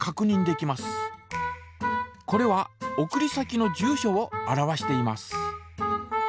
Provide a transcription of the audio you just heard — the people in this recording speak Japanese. これは送り先の住所を表しています。